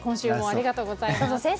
ありがとうございます。